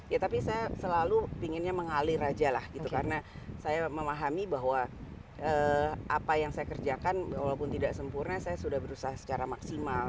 ya tapi saya selalu inginnya mengalir aja lah gitu karena saya memahami bahwa apa yang saya kerjakan walaupun tidak sempurna saya sudah berusaha secara maksimal